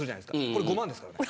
これ５万ですからね。